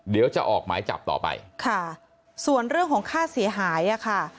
เดี๋ยวจะออกหมายจับต่อไปค่ะส่วนเรื่องของค่าเสียหายอ่ะค่ะ